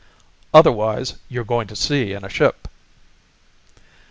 "Otherwise you're going to sea in a ship."